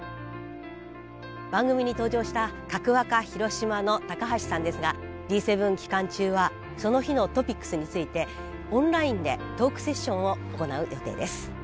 番組に登場したカクワカ広島の高橋さんですがＧ７期間中はその日のトピックスについてオンラインでトークセッションを行う予定です。